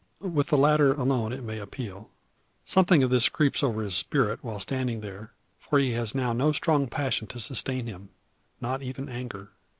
With the latter, alone, it may appal. Something of this creeps over his spirit while standing there; for he has now no strong passion to sustain him, not even anger.